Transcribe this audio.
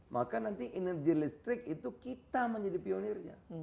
maka nanti energi listrik itu kita menjadi pionirnya